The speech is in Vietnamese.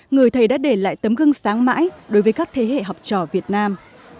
người thầy đã để lại tấm gương sáng mãi đối với các thế hệ học trò việt nam